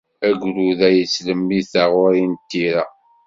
Agrud-a yettlemmid taɣuri d tira.